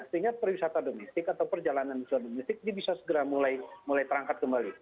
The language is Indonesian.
sehingga perwisata domestik atau perjalanan wisata domestik dia bisa segera mulai terangkat kembali